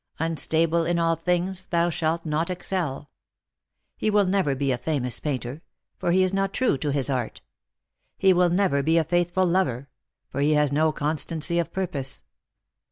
' Unstable in all things, thou shalt not excel.' He will never be a famous painter, for he is not true to his art. He will never be a faithful lover, for he has no constancy of purpose.